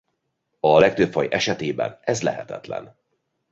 A legtöbb faj esetében ez lehetetlen.